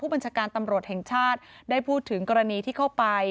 บัญชาการตำรวจแห่งชาติได้พูดถึงกรณีที่เข้าไป